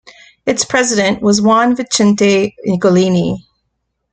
Its president was Juan Vicente Nicolini.